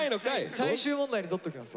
最終問題にとっときますわ。